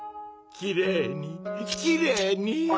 きれいにきれいに。